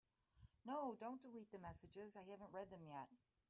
No, don’t delete the messages, I haven’t read them yet.